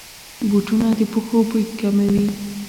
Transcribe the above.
بوټونه د پښو بوی کموي.